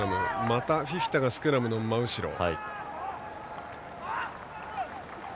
またフィフィタがスクラムの真後ろ。